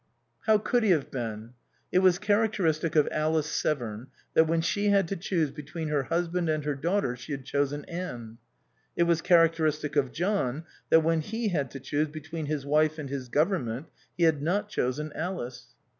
How could he have been? It was characteristic of Alice Severn that when she had to choose between her husband and her daughter she had chosen Anne. It was characteristic of John that when he had to choose between his wife and his Government, he had not chosen Alice.